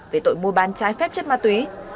về tội mua bán trái phép chất ma túy